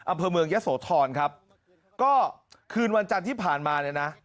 อำเภอเมืองยะโสธรครับก็คืนวันจันทร์ที่ผ่านมาเนี่ยนะ